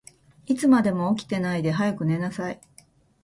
いつまでも起きてないで、早く寝なさい。